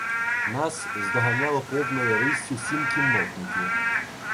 Нас здоганяло повною риссю сім кіннотників.